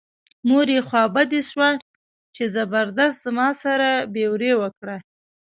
مور یې خوا بډۍ شوه چې زبردست زما سره بې وري وکړه.